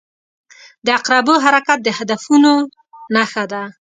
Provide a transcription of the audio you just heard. • د عقربو حرکت د هدفونو نښه ده.